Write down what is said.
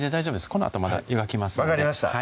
このあとまだ湯がきますので分かりました